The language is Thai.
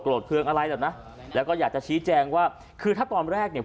เครื่องอะไรหรอกนะแล้วก็อยากจะชี้แจงว่าคือถ้าตอนแรกเนี่ย